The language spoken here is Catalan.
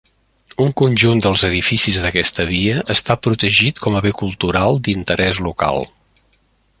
Un conjunt dels edificis d'aquesta via està protegit com a bé cultural d'interès local.